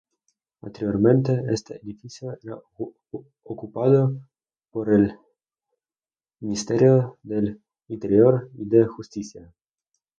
Anteriormente este edificio era ocupado por el Ministerio del Interior y de Justicia.